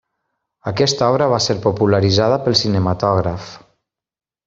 Aquesta obra va ser popularitzada pel cinematògraf.